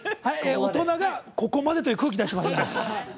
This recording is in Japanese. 大人が、ここまでという空気を出していますので。